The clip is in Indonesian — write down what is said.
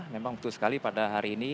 memang betul sekali pada hari ini